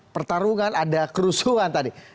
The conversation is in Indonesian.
pertarungan ada kerusuhan tadi